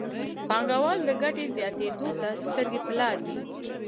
پانګوال د ګټې زیاتېدو ته سترګې په لاره وي.